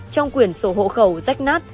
trong quyển sổ hộ khẩu rách nát